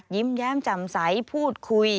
ยิ้มแย้มจำใสพูดคุย